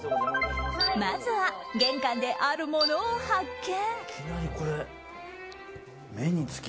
まずは玄関で、あるものを発見。